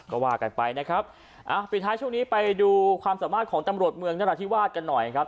ก็ว่ากันไปนะครับอ่าปิดท้ายช่วงนี้ไปดูความสามารถของตำรวจเมืองนราธิวาสกันหน่อยครับ